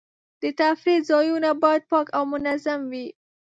د تفریح ځایونه باید پاک او منظم وي.